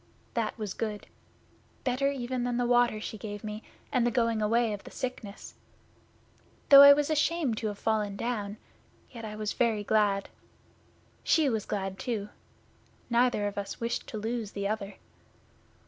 That was good better even than the water she gave me and the going away of the sickness. Though I was ashamed to have fallen down, yet I was very glad. She was glad too. Neither of us wished to lose the other.